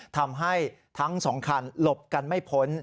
ทำให้ทั้งสองคันหลบกันไม่พ้น